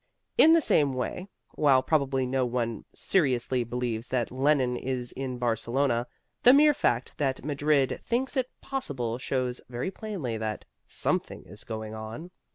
In the same way, while probably no one seriously believes that Lenine is in Barcelona, the mere fact that Madrid thinks it possible shows very plainly that something is going on.